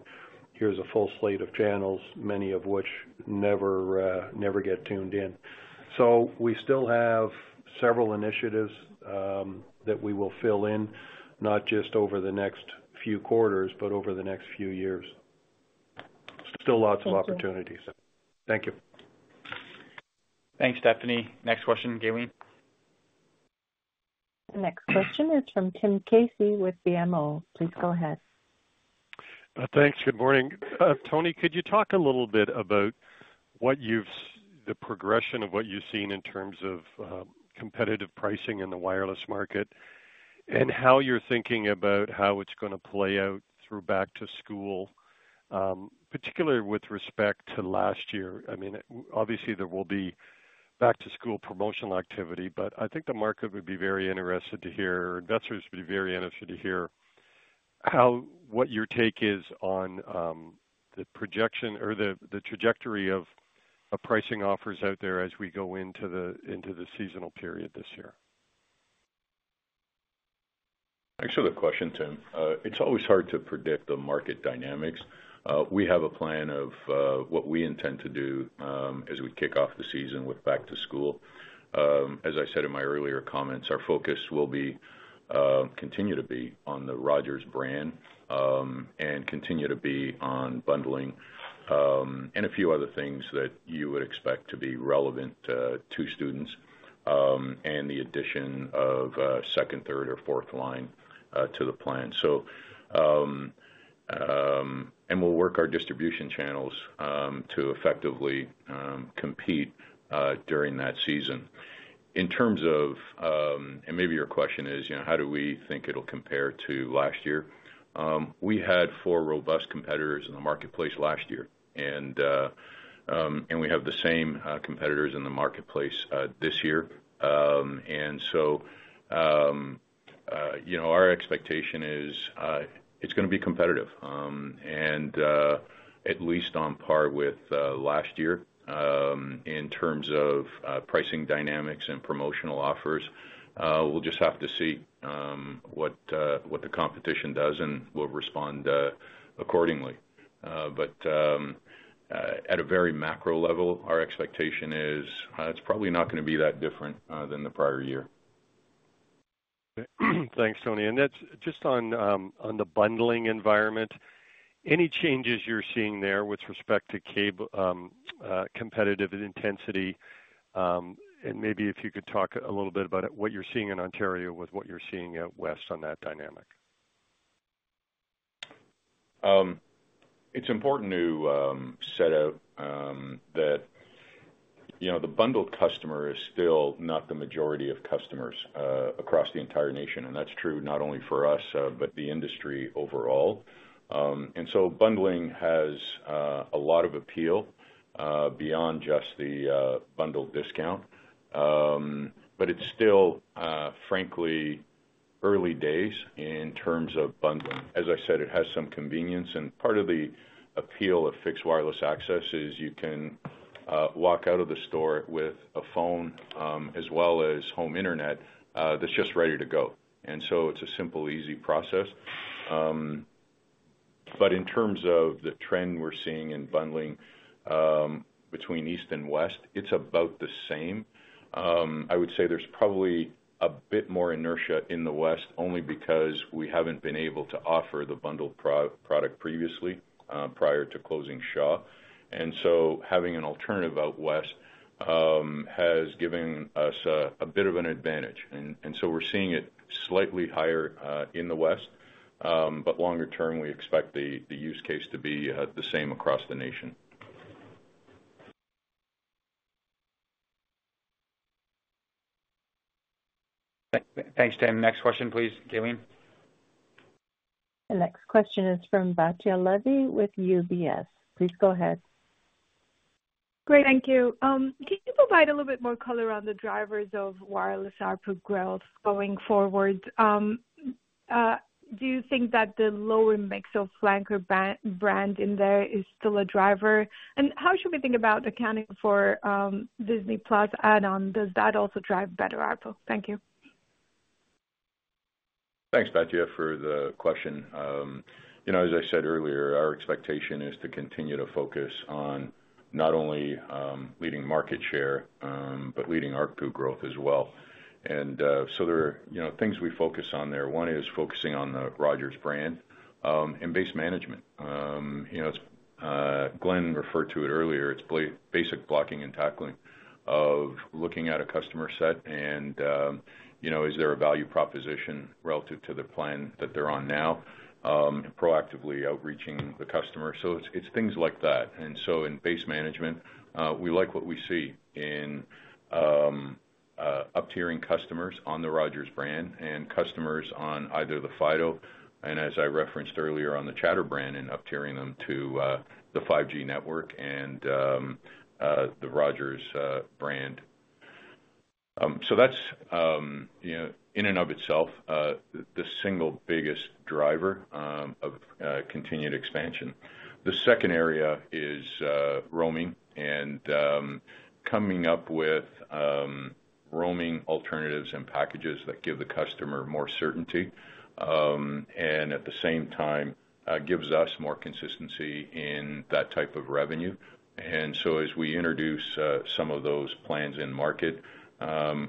here's a full slate of channels, many of which never get tuned in. So we still have several initiatives that we will fill in, not just over the next few quarters, but over the next few years. Still lots of opportunities. Thank you. Thanks, Stephanie. Next question, Gayleen. Next question is from Tim Casey with BMO. Please go ahead. Thanks. Good morning. Tony, could you talk a little bit about the progression of what you've seen in terms of competitive pricing in the wireless market and how you're thinking about how it's going to play out through back-to-school, particularly with respect to last year? I mean, obviously, there will be back-to-school promotional activity, but I think the market would be very interested to hear, investors would be very interested to hear what your take is on the trajectory of pricing offers out there as we go into the seasonal period this year. Thanks for the question, Tim. It's always hard to predict the market dynamics. We have a plan of what we intend to do as we kick off the season with back-to-school. As I said in my earlier comments, our focus will continue to be on the Rogers brand and continue to be on bundling and a few other things that you would expect to be relevant to students and the addition of second, third, or fourth line to the plan. We'll work our distribution channels to effectively compete during that season. In terms of, and maybe your question is, how do we think it'll compare to last year? We had four robust competitors in the marketplace last year, and we have the same competitors in the marketplace this year. Our expectation is it's going to be competitive, at least on par with last year in terms of pricing dynamics and promotional offers. We'll just have to see what the competition does, and we'll respond accordingly. But at a very macro level, our expectation is it's probably not going to be that different than the prior year. Thanks, Tony. And just on the bundling environment, any changes you're seeing there with respect to competitive intensity? And maybe if you could talk a little bit about what you're seeing in Ontario with what you're seeing out west on that dynamic. It's important to set out that the bundled customer is still not the majority of customers across the entire nation. That's true not only for us, but the industry overall. Bundling has a lot of appeal beyond just the bundled discount. It's still, frankly, early days in terms of bundling. As I said, it has some convenience. Part of the appeal of fixed wireless access is you can walk out of the store with a phone as well as home internet that's just ready to go. It's a simple, easy process. In terms of the trend we're seeing in bundling between east and west, it's about the same. I would say there's probably a bit more inertia in the west only because we haven't been able to offer the bundled product previously prior to closing Shaw. Having an alternative out west has given us a bit of an advantage. We're seeing it slightly higher in the west. Longer term, we expect the use case to be the same across the nation. Thanks, Tim. Next question, please, Gayleen. The next question is from Batya Levi with UBS. Please go ahead. Great. Thank you. Can you provide a little bit more color on the drivers of wireless output growth going forward? Do you think that the lower mix of flanker brand in there is still a driver? How should we think about accounting for Disney+ add-on? Does that also drive better output? Thank you. Thanks, Batya, for the question. As I said earlier, our expectation is to continue to focus on not only leading market share, but leading output growth as well. There are things we focus on there. One is focusing on the Rogers brand and base management. Glenn referred to it earlier. It's basic blocking and tackling of looking at a customer set and is there a value proposition relative to the plan that they're on now, proactively outreaching the customer. So it's things like that. In base management, we like what we see in up-tiering customers on the Rogers brand and customers on either the Fido and, as I referenced earlier, on the chatr brand and up-tiering them to the 5G network and the Rogers brand. So that's, in and of itself, the single biggest driver of continued expansion. The second area is roaming and coming up with roaming alternatives and packages that give the customer more certainty and, at the same time, gives us more consistency in that type of revenue. And so as we introduce some of those plans in market,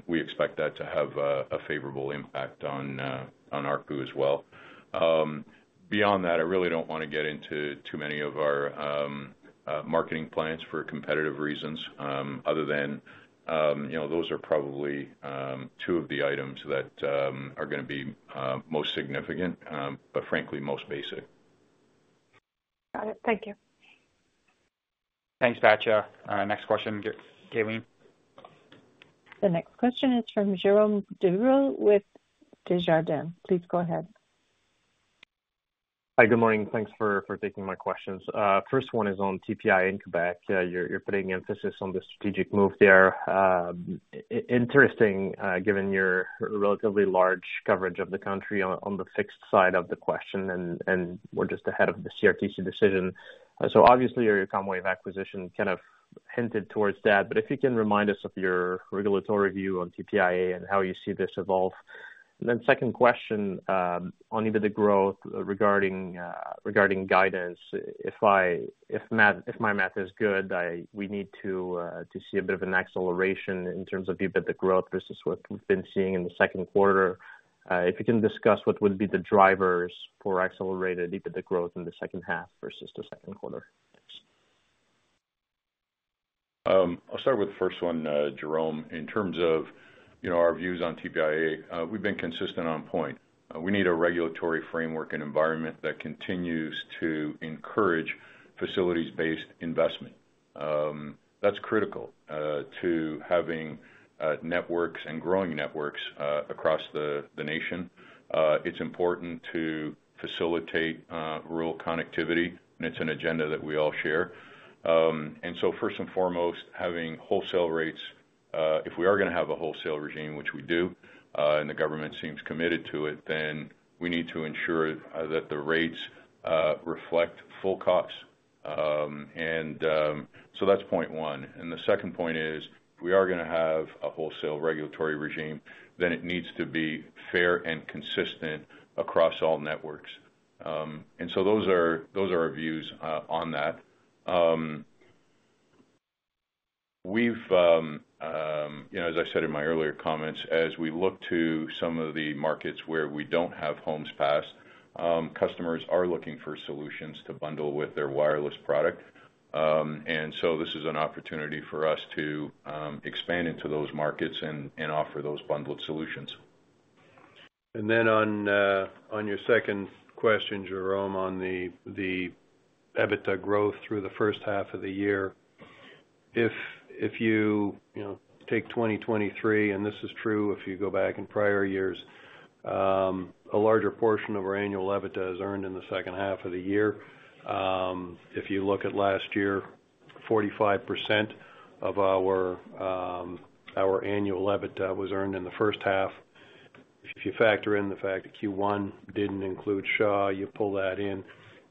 we expect that to have a favorable impact on our ARPU as well. Beyond that, I really don't want to get into too many of our marketing plans for competitive reasons other than those are probably two of the items that are going to be most significant, but frankly, most basic. Got it. Thank you. Thanks, Batya. Next question, Gayleen. The next question is from Jérôme Dubreuil with Desjardins. Please go ahead. Hi, good morning. Thanks for taking my questions. First one is on TPIA in Quebec. You're putting emphasis on the strategic move there. Interesting, given your relatively large coverage of the country on the fixed side of the question, and we're just ahead of the CRTC decision. So obviously, your Comwave acquisition kind of hinted towards that. But if you can remind us of your regulatory view on TPIA and how you see this evolve? And then second question on EBITDA growth regarding guidance. If my math is good, we need to see a bit of an acceleration in terms of EBITDA growth versus what we've been seeing in the Q2. If you can discuss what would be the drivers for accelerated EBITDA growth in the second half versus the Q2? Thanks. I'll start with the first one, Jérôme. In terms of our views on TPIA, we've been consistent on point. We need a regulatory framework and environment that continues to encourage facilities-based investment. That's critical to having networks and growing networks across the nation. It's important to facilitate rural connectivity, and it's an agenda that we all share. And so first and foremost, having wholesale rates. If we are going to have a wholesale regime, which we do, and the government seems committed to it, then we need to ensure that the rates reflect full costs. And so that's point one. And the second point is, if we are going to have a wholesale regulatory regime, then it needs to be fair and consistent across all networks. And so those are our views on that. We've, as I said in my earlier comments, as we look to some of the markets where we don't have Homes Passed, customers are looking for solutions to bundle with their wireless product. And so this is an opportunity for us to expand into those markets and offer those bundled solutions. Then on your second question, Jérôme, on the EBITDA growth through the first half of the year, if you take 2023, and this is true if you go back in prior years, a larger portion of our annual EBITDA is earned in the second half of the year. If you look at last year, 45% of our annual EBITDA was earned in the first half. If you factor in the fact that Q1 didn't include Shaw, you pull that in,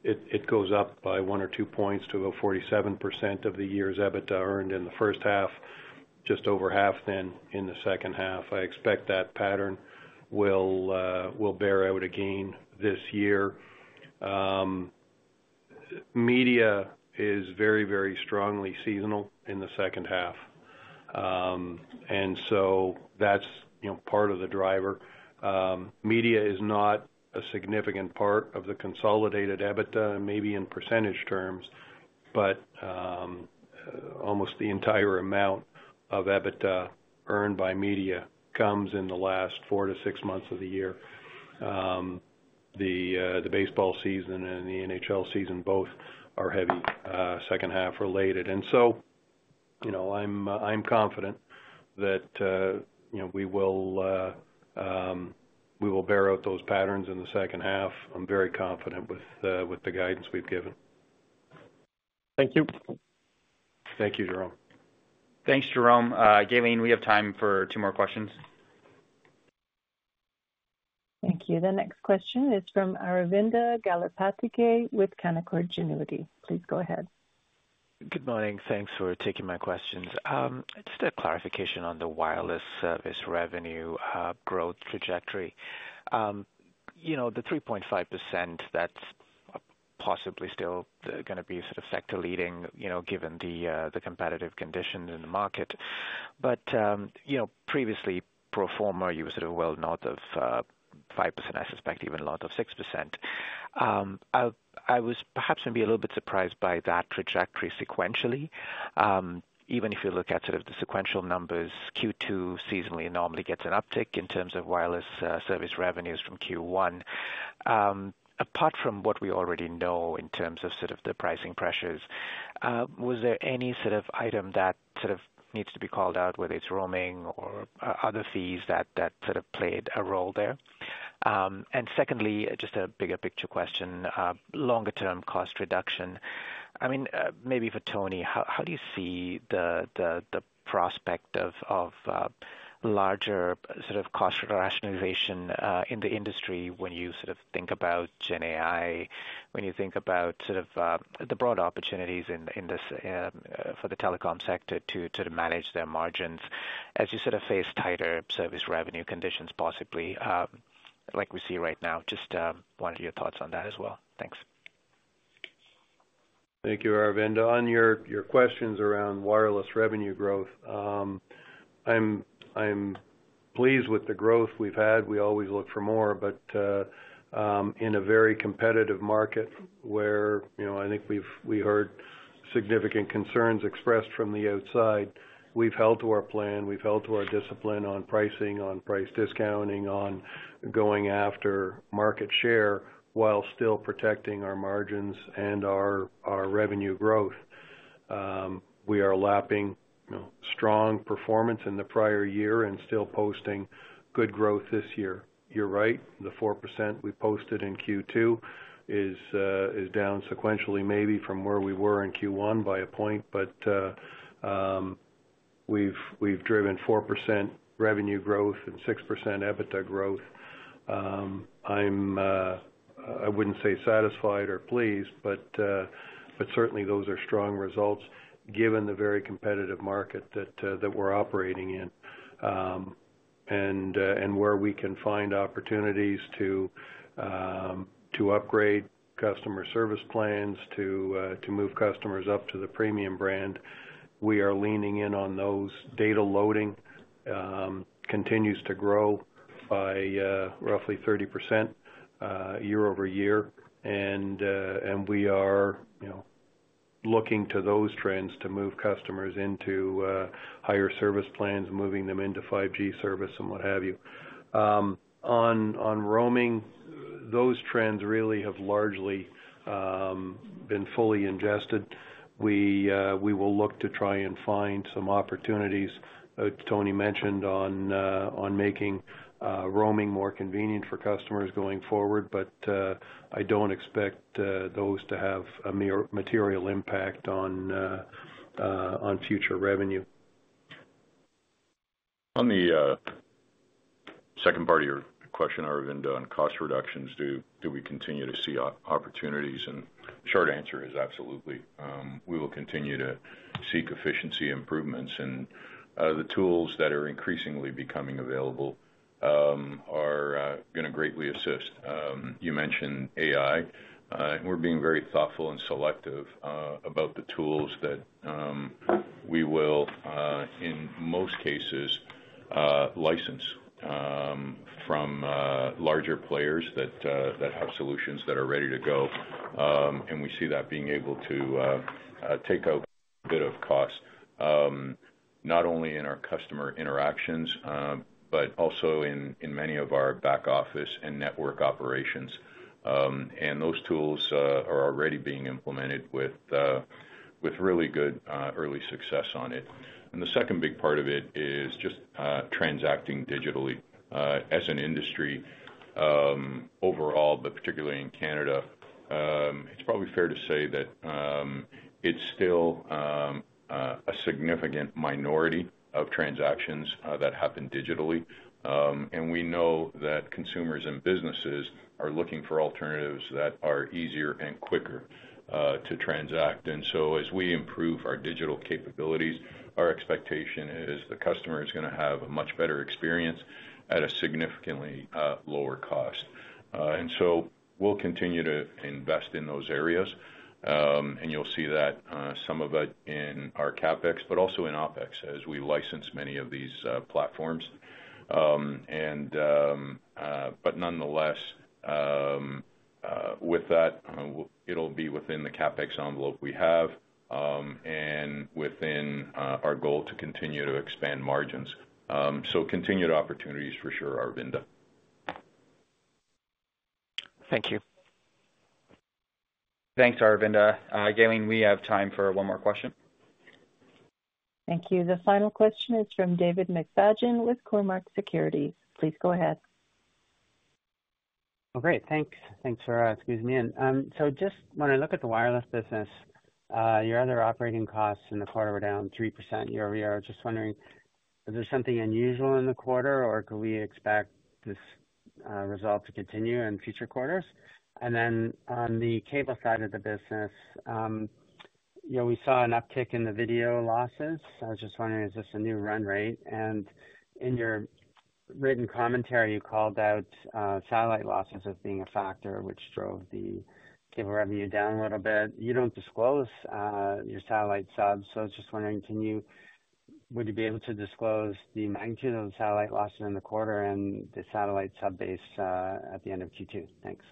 it goes up by one or two points to about 47% of the year's EBITDA earned in the first half, just over half then in the second half. I expect that pattern will bear out again this year. Media is very, very strongly seasonal in the second half. So that's part of the driver. Media is not a significant part of the consolidated EBITDA, maybe in percentage terms, but almost the entire amount of EBITDA earned by media comes in the last four to six months of the year. The baseball season and the NHL season both are heavy second half related. And so I'm confident that we will bear out those patterns in the second half. I'm very confident with the guidance we've given. Thank you. Thank you, Jérôme. Thanks, Jérôme. Gayleen, we have time for two more questions. Thank you. The next question is from Aravinda Galappatthige with Canaccord Genuity. Please go ahead. Good morning. Thanks for taking my questions. Just a clarification on the wireless service revenue growth trajectory. The 3.5%, that's possibly still going to be sort of sector-leading given the competitive conditions in the market. But previously, pro forma, you were sort of well north of 5%, I suspect even a lot of 6%. I was perhaps maybe a little bit surprised by that trajectory sequentially. Even if you look at sort of the sequential numbers, Q2 seasonally normally gets an uptick in terms of wireless service revenues from Q1. Apart from what we already know in terms of sort of the pricing pressures, was there any sort of item that sort of needs to be called out, whether it's roaming or other fees that sort of played a role there? And secondly, just a bigger picture question, longer-term cost reduction. I mean, maybe for Tony, how do you see the prospect of larger sort of cost rationalization in the industry when you sort of think about GenAI, when you think about sort of the broad opportunities for the telecom sector to manage their margins as you sort of face tighter service revenue conditions possibly like we see right now? Just wanted your thoughts on that as well. Thanks. Thank you, Aravinda. On your questions around wireless revenue growth, I'm pleased with the growth we've had. We always look for more. But in a very competitive market where I think we heard significant concerns expressed from the outside, we've held to our plan. We've held to our discipline on pricing, on price discounting, on going after market share while still protecting our margins and our revenue growth. We are lapping strong performance in the prior year and still posting good growth this year. You're right. The 4% we posted in Q2 is down sequentially maybe from where we were in Q1 by a point. But we've driven 4% revenue growth and 6% EBITDA growth. I wouldn't say satisfied or pleased, but certainly those are strong results given the very competitive market that we're operating in and where we can find opportunities to upgrade customer service plans, to move customers up to the premium brand. We are leaning in on those. Data loading continues to grow by roughly 30% year-over-year. And we are looking to those trends to move customers into higher service plans, moving them into 5G service and what have you. On roaming, those trends really have largely been fully ingested. We will look to try and find some opportunities. Tony mentioned on making roaming more convenient for customers going forward, but I don't expect those to have a material impact on future revenue. On the second part of your question, Aravinda, on cost reductions, do we continue to see opportunities? The short answer is absolutely. We will continue to seek efficiency improvements. The tools that are increasingly becoming available are going to greatly assist. You mentioned AI. We're being very thoughtful and selective about the tools that we will, in most cases, license from larger players that have solutions that are ready to go. We see that being able to take out a bit of cost, not only in our customer interactions, but also in many of our back office and network operations. Those tools are already being implemented with really good early success on it. The second big part of it is just transacting digitally. As an industry overall, but particularly in Canada, it's probably fair to say that it's still a significant minority of transactions that happen digitally. We know that consumers and businesses are looking for alternatives that are easier and quicker to transact. So as we improve our digital capabilities, our expectation is the customer is going to have a much better experience at a significantly lower cost. We'll continue to invest in those areas. You'll see that some of it in our CapEx, but also in OpEx as we license many of these platforms. Nonetheless, with that, it'll be within the CapEx envelope we have and within our goal to continue to expand margins. Continued opportunities for sure, Aravinda. Thank you. Thanks, Aravinda. Gayleen, we have time for one more question. Thank you. The final question is from David McFadgen with Cormark Securities. Please go ahead. Well, great. Thanks. Thanks for squeezing in. So just when I look at the wireless business, your other operating costs in the quarter were down 3% year-over-year. Just wondering, is there something unusual in the quarter, or could we expect this result to continue in future quarters? And then on the cable side of the business, we saw an uptick in the video losses. I was just wondering, is this a new run rate? And in your written commentary, you called out satellite losses as being a factor, which drove the cable revenue down a little bit. You don't disclose your satellite subs. So I was just wondering, would you be able to disclose the magnitude of the satellite losses in the quarter and the satellite subbase at the end of Q2? Thanks.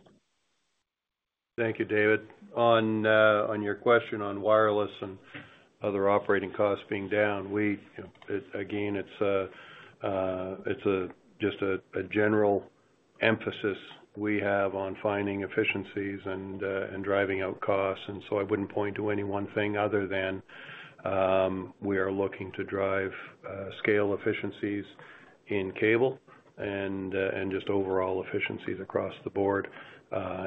Thank you, David. On your question on wireless and other operating costs being down, again, it's just a general emphasis we have on finding efficiencies and driving out costs. And so I wouldn't point to any one thing other than we are looking to drive scale efficiencies in cable and just overall efficiencies across the board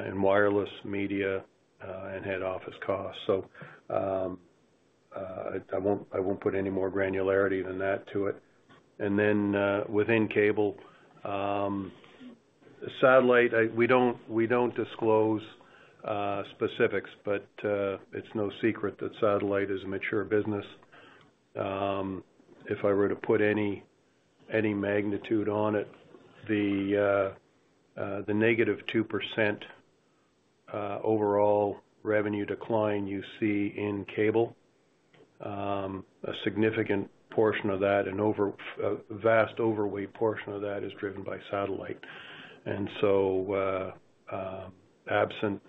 in wireless, media, and head office costs. So I won't put any more granularity than that to it. And then within cable, satellite, we don't disclose specifics, but it's no secret that satellite is a mature business. If I were to put any magnitude on it, the -2% overall revenue decline you see in cable, a significant portion of that, a vast overweight portion of that is driven by satellite. And so absent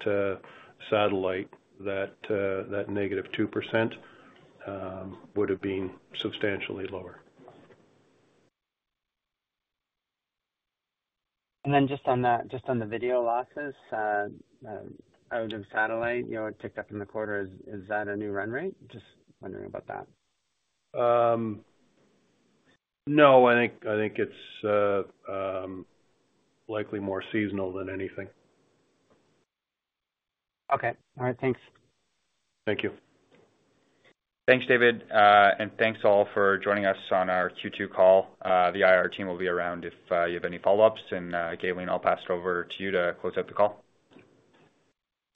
satellite, that -2% would have been substantially lower. Then just on the video losses out of satellite, it ticked up in the quarter. Is that a new run rate? Just wondering about that. No, I think it's likely more seasonal than anything. Okay. All right. Thanks. Thank you. Thanks, David. Thanks all for joining us on our Q2 call. The IR team will be around if you have any follow-ups. Gayleen, I'll pass it over to you to close out the call.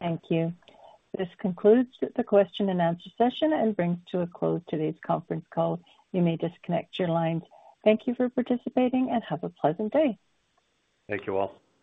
Thank you. This concludes the question and answer session and brings to a close today's conference call. You may disconnect your lines. Thank you for participating and have a pleasant day. Thank you all.